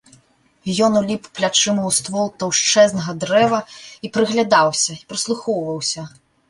Ён уліп плячыма ў ствол таўшчэзнага дрэва і прыглядаўся, і прыслухоўваўся.